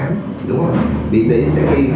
đúng không vì đấy sẽ gây